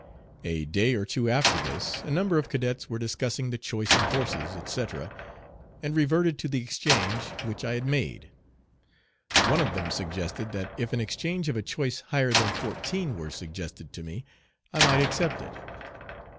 A day or two after this a number of cadets were discussing the choice of horses, etc., and reverted to the exchange which I had made. One of them suggested that if an exchange of a choice higher than fourteen were suggested to me, I might accept it.